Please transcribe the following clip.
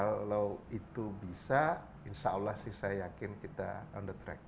kalau itu bisa insya allah sih saya yakin kita on the track